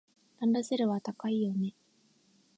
ランドセルは高いよね。